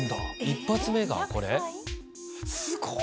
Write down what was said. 一発目がこれ？